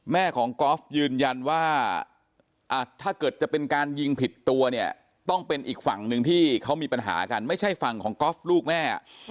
แม่ของกอล์ฟยืนยันว่าถ้าเกิดจะเป็นการยิงผิดตัวเนี่ยต้องเป็นอีกฝั่งหนึ่งที่เขามีปัญหากันไม่ใช่ฝั่งของกอล์ฟลูกแม่